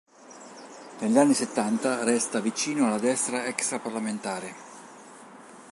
Negli anni settanta resta vicino alla destra extraparlamentare.